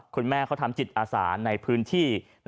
คุณแม่เขาทำจิตอาสาในพื้นที่